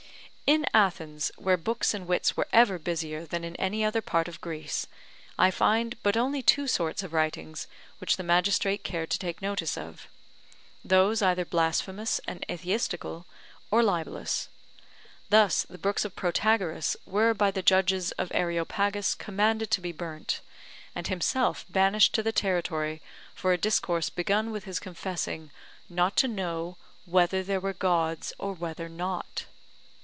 In Athens, where books and wits were ever busier than in any other part of Greece, I find but only two sorts of writings which the magistrate cared to take notice of; those either blasphemous and atheistical, or libellous. Thus the books of Protagoras were by the judges of Areopagus commanded to be burnt, and himself banished the territory for a discourse begun with his confessing not to know WHETHER THERE WERE GODS, OR WHETHER NOT.